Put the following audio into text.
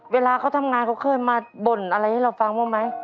เวลาเขาทำงานเขาเคยมาบ่นอะไรให้เราฟังบ้างไหม